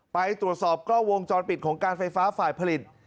ไปตรวจสอบกล้องวงจรปิดของการไฟฟ้าฝ่ายผลิต